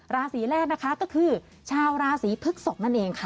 ราศีแรกนะคะก็คือชาวราศีพฤกษกนั่นเองค่ะ